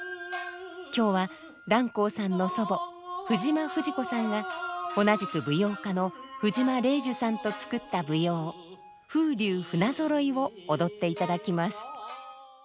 今日は蘭黄さんの祖母藤間藤子さんが同じく舞踊家の藤間麗樹さんと作った舞踊「風流船揃」を踊っていただきます。